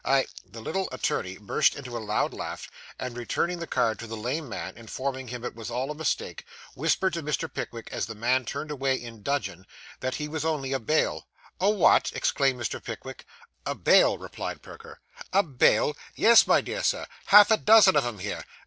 I ' The little attorney burst into a loud laugh, and returning the card to the lame man, informing him it was all a mistake, whispered to Mr. Pickwick as the man turned away in dudgeon, that he was only a bail. 'A what!' exclaimed Mr. Pickwick. 'A bail,' replied Perker. 'A bail!' Yes, my dear sir half a dozen of 'em here.